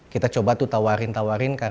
kita coba tuh tawarin tawarin